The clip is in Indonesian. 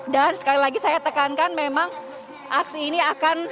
dan sekali lagi saya tekankan memang aksi ini akan